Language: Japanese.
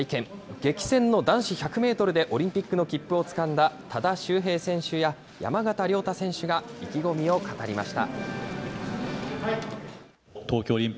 激戦の男子１００メートルでオリンピックの切符をつかんだ多田修平選手や山縣亮太選手が意気込みを語りました。